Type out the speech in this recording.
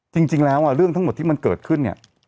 จริงแล้วเรื่องทั้งหมดที่มันเกิดขึ้นเนี่ย